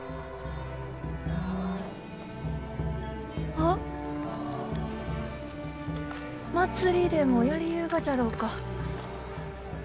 ・あっ祭りでもやりゆうがじゃろうか？